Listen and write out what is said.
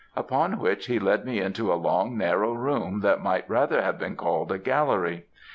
"Upon which he led me into a long narrow room that might rather have been called a gallery.